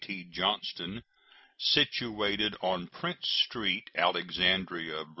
T. Johnston, situate on Prince street, Alexandria, Va.